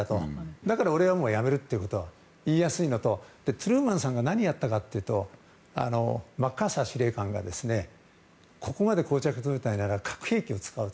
だから、俺は辞めるということを言いやすいのとトルーマンさんが何をやったかというとマッカーサー司令官がここまで膠着状態なら核兵器を使うと。